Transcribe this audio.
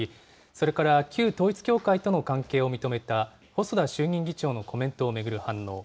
それから旧統一教会との関係を認めた細田衆議院議長のコメントを巡る反応。